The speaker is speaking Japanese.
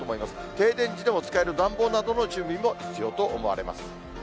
停電しても使える暖房などの準備も必要と思われます。